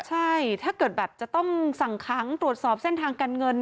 ใช่ถ้าเกิดแบบจะต้องสั่งค้างตรวจสอบเส้นทางการเงิน